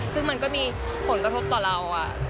ซึ่งมันก็มีผลกระทบต่อเรา